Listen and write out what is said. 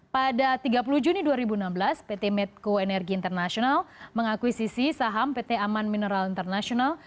pada tiga puluh juni dua ribu enam belas pt medco energi internasional mengakuisisi saham pt aman mineral internasional